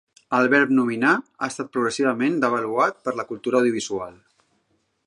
El verb "nominar" ha estat progressivament devaluat per la cultura audiovisual.